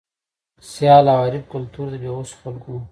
سیال او حریف کلتور د بې وسو خلکو و.